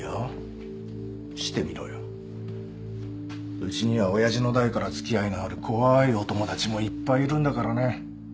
うちには親父の代から付き合いのある怖いお友達もいっぱいいるんだからね。